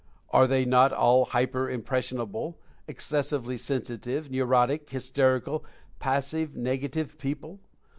Are they not all hyper impressionable; excessively sensitive; neurotic; hysterical; passive; negative people?